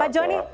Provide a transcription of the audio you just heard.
pak joni tapi